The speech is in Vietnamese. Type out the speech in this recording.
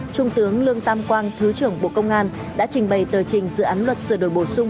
trung tướng lương tam quang thứ trưởng bộ công an đã trình bày tờ trình dự án luật sửa đổi bổ sung